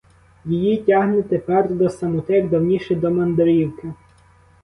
Її тягне тепер до самоти, як давніше до мандрівки.